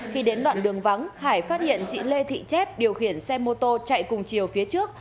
khi đến đoạn đường vắng hải phát hiện chị lê thị chép điều khiển xe mô tô chạy cùng chiều phía trước